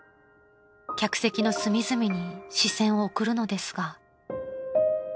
［客席の隅々に視線を送るのですが］